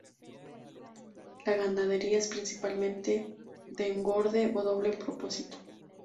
La ganadería es principalmente de engorde o doble propósito.